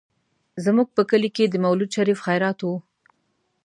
زموږ په کلي کې د مولود شريف خيرات و.